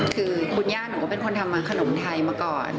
คือคุณย่าหนูก็เป็นคนทำขนมไทยมาก่อน